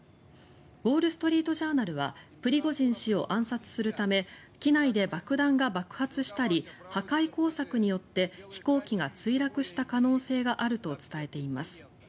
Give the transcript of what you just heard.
ウォール・ストリート・ジャーナルはプリゴジン氏を暗殺するため機内で爆弾が爆発したり破壊工作によって飛行機が墜落した可能性があると伝えています。